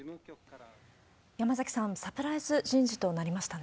山崎さん、サプライズ人事となりましたね。